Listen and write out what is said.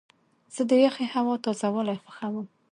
زه د یخې هوا تازه والی خوښوم.